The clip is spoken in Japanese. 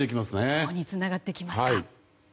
そこにつながってきますか。